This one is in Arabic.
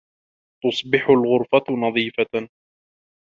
تُصْبِحُ الْغُرْفَةُ نَظِيفَةً.